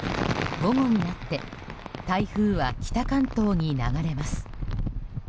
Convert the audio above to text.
午後になって台風は北関東に流れます。